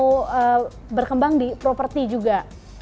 ini kita mau berkembang di properti juga